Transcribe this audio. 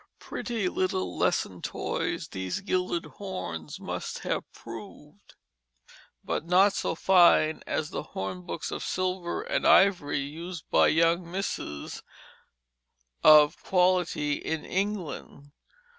Pretty little lesson toys, these gilded horns must have proved, but not so fine as the hornbooks of silver and ivory used by young misses of quality in England.